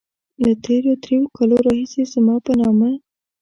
له تېرو دريو کالو راهيسې زما په نامه.